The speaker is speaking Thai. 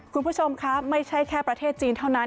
คุณผู้ชมครับไม่ใช่แค่ประเทศจีนเท่านั้น